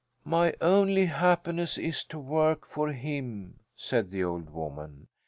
"My only happiness is to work for him," said the old woman.